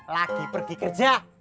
lagi pergi kerja